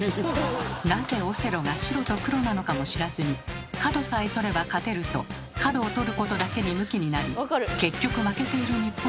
なぜオセロが白と黒なのかも知らずに角さえ取れば勝てると角を取ることだけにムキになり結局負けている日本人のなんと多いことか。